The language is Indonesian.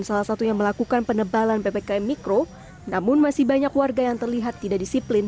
salah satunya melakukan penebalan ppkm mikro namun masih banyak warga yang terlihat tidak disiplin